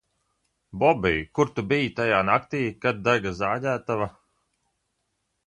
Bobij, kur tu biji tajā naktī, kad dega zāģētava?